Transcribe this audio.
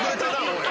おい。